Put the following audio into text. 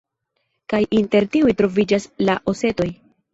Kaj inter tiuj troviĝas la osetoj.